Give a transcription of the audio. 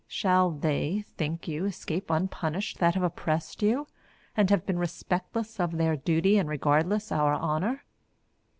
Shall they, think you, escape unpunished that have oppressed you, and have been respectless of their duty and regardless our honour?